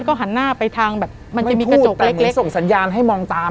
แล้วก็หันหน้าไปทางแบบมันจะมีกระจกเล็กเล็กมันพูดแต่เหมือนส่งสัญญาณให้มองตาม